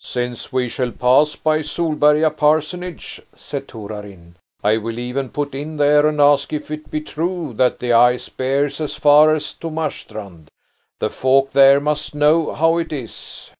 "Since we shall pass by Solberga parsonage," said Torarin, "I will even put in there and ask if it be true that the ice bears as far as to Marstrand. The folk there must know how it is."